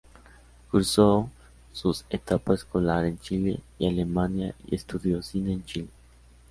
Cursó sus etapa escolar en Chile y Alemania y estudió cine en Chile.